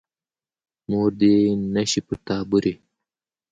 مور دې نه شي پر تا بورې.